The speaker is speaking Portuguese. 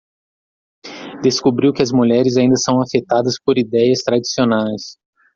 Descobriu que as mulheres ainda são afetadas por idéias tradicionais